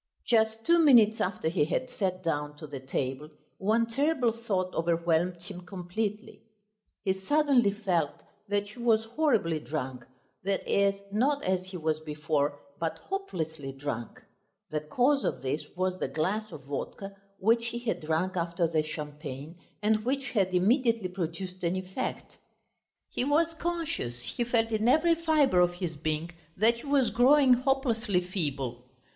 Just two minutes after he had sat down to the table one terrible thought overwhelmed him completely. He suddenly felt that he was horribly drunk, that is, not as he was before, but hopelessly drunk. The cause of this was the glass of vodka which he had drunk after the champagne, and which had immediately produced an effect. He was conscious, he felt in every fibre of his being that he was growing hopelessly feeble.